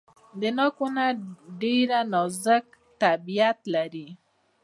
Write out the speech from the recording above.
د ناک ونې ډیر نازک طبیعت لري.